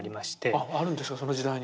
あるんですかその時代に。